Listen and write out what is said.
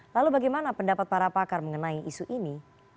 lalu bagaimana pendapat para pakar mengenai isu ini